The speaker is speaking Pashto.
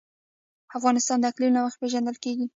افغانستان د اقلیم له مخې پېژندل کېږي.